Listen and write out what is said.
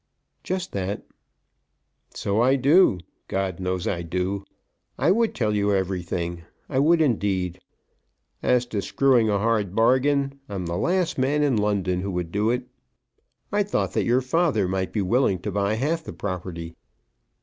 "Just that." "So I do. God knows I do. I would tell you everything. I would indeed. As to screwing a hard bargain, I'm the last man in London who would do it. I thought that your father might be willing to buy half the property."